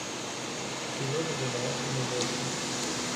Всі вигоди на вашому боці.